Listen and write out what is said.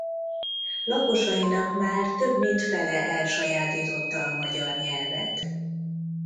Lakosainak már több mint fele elsajátította a magyar nyelvet.